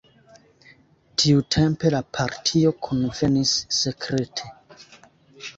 Tiutempe la partio kunvenis sekrete.